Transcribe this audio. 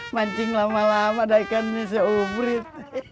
mancing lama lama dah ikannya si obrit